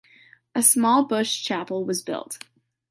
A small bush chapel was built.